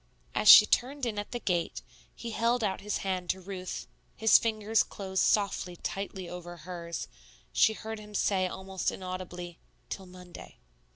As she turned in at the gate, he held out his hand to Ruth. His fingers closed softly, tightly over hers; she heard him say almost inaudibly, "Till Monday."